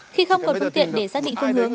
khi không còn phương tiện để xác định phương hướng